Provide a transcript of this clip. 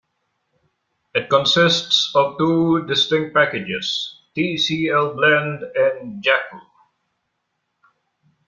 It consists of two distinct packages, Tcl Blend and Jacl.